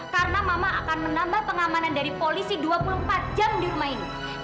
karena mama akan menambah pengamanan dari polisi dua puluh empat jam di huma ini